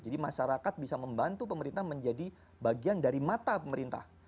jadi masyarakat bisa membantu pemerintah menjadi bagian dari mata pemerintah